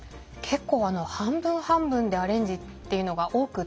結構あの半分半分でアレンジっていうのが多くって。